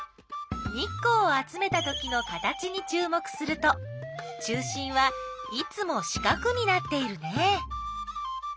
日光を集めたときの形にちゅう目すると中心はいつも四角になっているね。